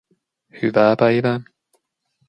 Hyvää päivää